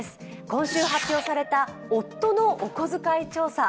今週発表された夫のお小遣い調査。